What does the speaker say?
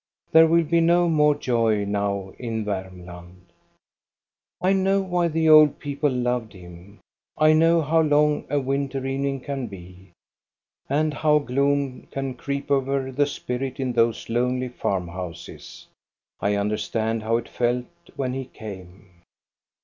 There will be no more joy now in Varmland. I know why the old people loved him. I know how long a winter evening can be, and how gloom can creep over the spirit in those lonely farm houses. I understand how it felt when he came.